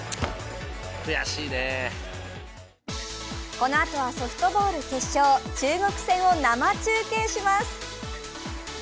このあとは、ソフトボール決勝中国戦を生中継します。